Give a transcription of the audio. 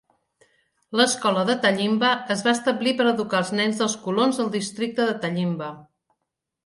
L'escola de Tallimba es va establir per educar els nens dels colons del districte de Tallimba.